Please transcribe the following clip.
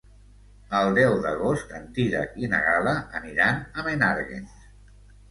El deu d'agost en Dídac i na Gal·la aniran a Menàrguens.